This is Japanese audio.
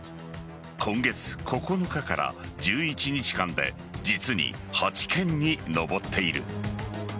今月９日から１１日間で実に８件に上っている。